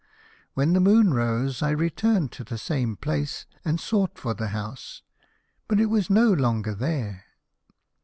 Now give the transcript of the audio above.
" When the moon rose I returned to the same place and sought for the house, but it was no longer there.